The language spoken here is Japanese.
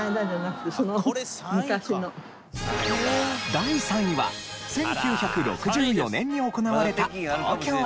第３位は１９６４年に行われた東京オリンピック。